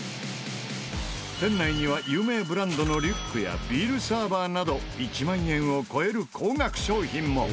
店内には有名ブランドのリュックやビールサーバーなど１万円を超える高額商品も。